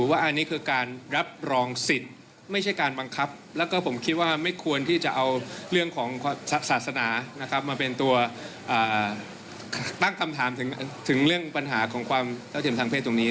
และก็ผมคิดว่าไม่ควรที่จะเอาเรื่องของศาสนามาเป็นตัวตั้งคำถามถึงเรื่องปัญหาของข้าวเทียมทางเพศตรงนี้